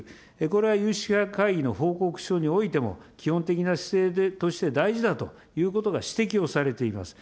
これは有識者会議の報告書においても、基本的な姿勢として大事だということが指摘をされています。